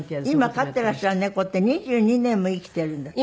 今飼っていらっしゃる猫って２２年も生きているんだって？